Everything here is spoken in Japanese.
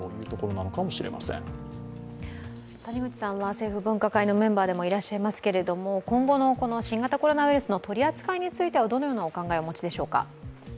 政府分科会のメンバーでもいらっしゃいますけれども今後の新型コロナウイルスの取り扱いについてはどのようなお考えをお持ちでしょうか。